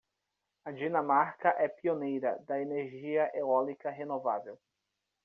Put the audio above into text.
A Dinamarca é pioneira da energia eólica renovável.